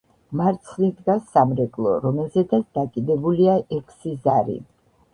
მარცხნივ დგას სამრეკლო, რომელზეც დაკიდებულია ექვსი ზარი.